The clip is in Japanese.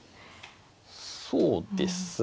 そうですね。